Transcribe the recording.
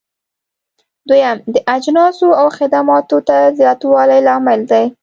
دويم: د اجناسو او خدماتو نه زیاتوالی لامل دی.